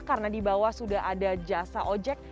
karena di bawah sudah ada jasa ojek